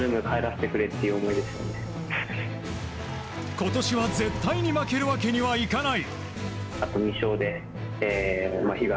今年は絶対に負ける訳にはいかない。